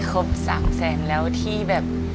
ครบ๓แสนแล้วที่แบบ